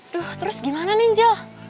duh terus gimana nih angel